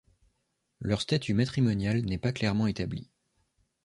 Leur statut matrimonial n'est pas clairement établi.